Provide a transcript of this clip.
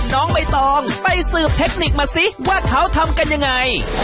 น้องใบตองไปสืบเทคนิคมาซิว่าเขาทำกันยังไง